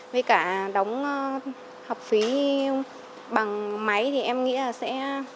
với cả đóng học phí bằng máy thì em nghĩ là sẽ